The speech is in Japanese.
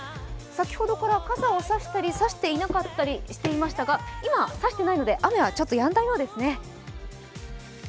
先ほどから傘を差したり差していなかったりしていましたが今、差してないので、雨はやんだようですね。